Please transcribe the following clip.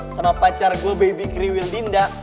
sama pacar gue baby kriwil dinda